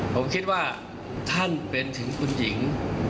ผมคิดว่าท่านเป็นถึงคุณหญิง